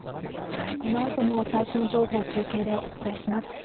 このあとも最新情報、中継でお伝えします。